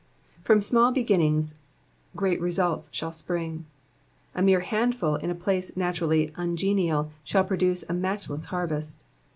'*'* From small beginnings great results shall sprin^j A mere handful in a place naturally uugeuial shall produce a matchless harvest.